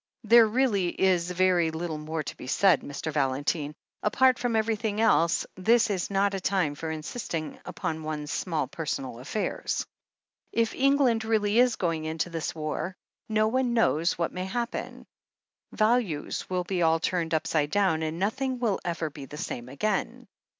"There really is very little more to be said, Mr. Valentine. Apart from everything else, this is not a time for insisting upon one's small personal affairs. If THE HEEL OF ACHILLES 395 England really is going into this war, no one knows what may happen. Values will be all turned upside down, and nothing will ever be the same again.